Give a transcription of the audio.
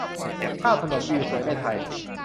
เก้า ถนนวิวสวยในไทย